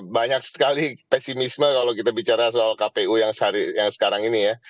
banyak sekali pesimisme kalau kita bicara soal kpu yang sekarang ini ya